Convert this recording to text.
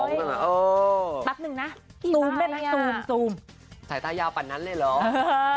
นักนึงนะสูมมั้ยตามนั้นสูมใส่ตายาวปั่นั้นเลยหรอหือ